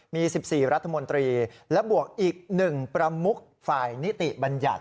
มี๑๔รัฐมนตรีและบวกอีก๑ประมุกฝ่ายนิติบัญญัติ